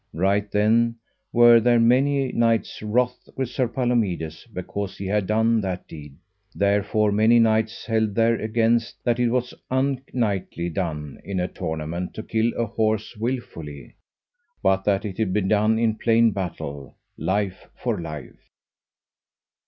Right then were there many knights wroth with Sir Palomides because he had done that deed; therefore many knights held there against that it was unknightly done in a tournament to kill an horse wilfully, but that it had been done in plain battle, life for life.